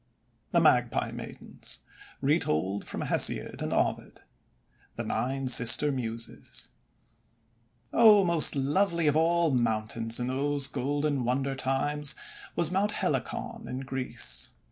THE MAGPIE MAIDENS Retold from Hesiod and Ovid THE NINE SISTER MUSES OH, most lovely of all mountains in those golden wonder times was Mount Helicon in Greece.